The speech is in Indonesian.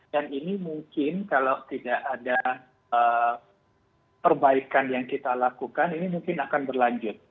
dan ini mungkin kalau tidak ada perbaikan yang kita lakukan ini mungkin akan berlanjut